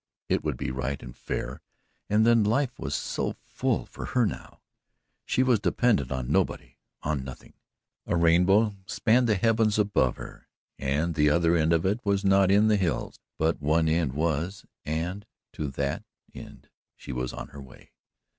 It would be right and fair and then life was so full for her now. She was dependent on nobody on nothing. A rainbow spanned the heaven above her and the other end of it was not in the hills. But one end was and to that end she was on her way.